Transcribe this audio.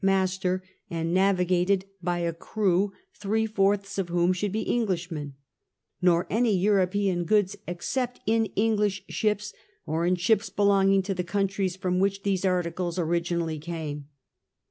1654 * master, and navigated by a crew three fourths of whom should be Englishmen ; nor any European goods except in English ships or in ships belonging to the countries from which these articles originally came.